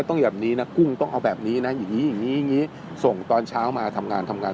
ว่าโอ้ยส่งตอนตี๓ทำงานกันแบบนั้นตี๓ตี๔ตี๕ทำงานตลอดตอนนี้